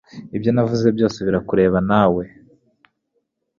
Ibyo navuze byose birakureba, nawe